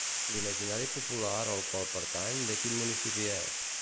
L'imaginari popular al qual pertany, de quin municipi és?